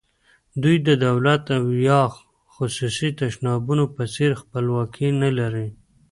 دوی د دولت او یا خصوصي تشبثاتو په څېر خپلواکي نه لري.